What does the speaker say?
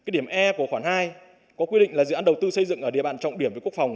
điểm e của khoản hai có quy định là dự án đầu tư xây dựng ở địa bàn trọng điểm với quốc phòng